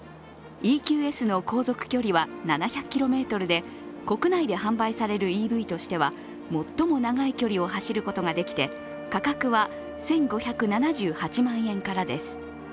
ＥＱＳの航続距離は７００ｋｍで国内で販売されるＥＶとしては最も長い距離を走ることができて価格は１５７８万円からです。